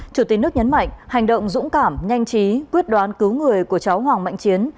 chủ tịch nước nhấn mạnh hành động dũng cảm nhanh chí quyết đoán cứu người của cháu hoàng mạnh chiến